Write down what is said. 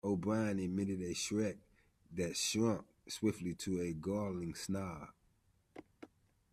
O'Brien emitted a shriek that sank swiftly to a gurgling sob.